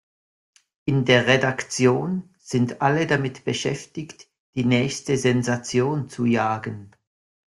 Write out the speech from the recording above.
In der Redaktion sind alle damit beschäftigt, die nächste Sensation zu jagen.